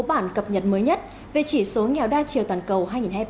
bản cập nhật mới nhất về chỉ số nghèo đa chiều toàn cầu hai nghìn hai mươi ba